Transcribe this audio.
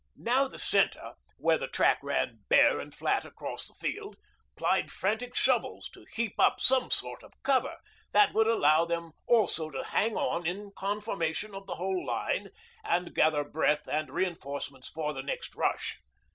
Now, the centre, where the track ran bare and flat across the field, plied frantic shovels to heap up some sort of cover that would allow them also to hang on in conformation of the whole line and gather breath and reinforcements for the next rush.